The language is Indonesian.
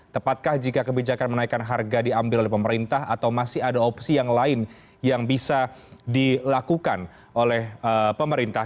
tepatkah jika kebijakan menaikkan harga diambil oleh pemerintah atau masih ada opsi yang lain yang bisa dilakukan oleh pemerintah